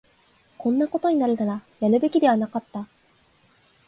こんなことになるなら、やるべきではなかった